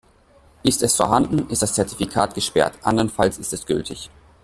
Ist es vorhanden, ist das Zertifikat gesperrt, andernfalls ist es gültig.